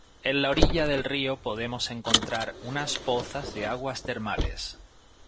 En la orilla del río podemos encontrar unas pozas de aguas termales.